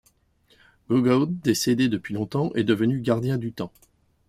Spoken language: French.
Gogoud, décédé depuis longtemps, est devenu gardien du temps.